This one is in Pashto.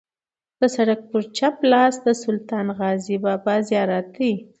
د سړک پر چپ لاس د سلطان غازي بابا زیارت دی.